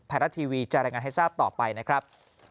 ไทยรัฐทีวีจะรายงานให้ทราบต่อไปนะครับ